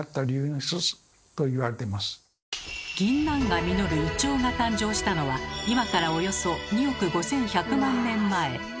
ぎんなんが実るイチョウが誕生したのは今からおよそ２億５，１００万年前。